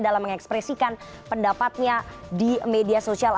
dalam mengekspresikan pendapatnya di media sosial